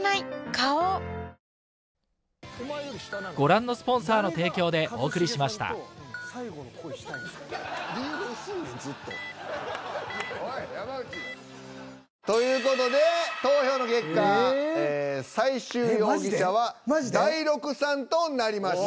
花王という事で投票の結果最終容疑者は大六さんとなりました。